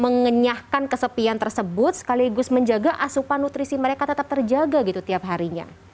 mengenyahkan kesepian tersebut sekaligus menjaga asupan nutrisi mereka tetap terjaga gitu tiap harinya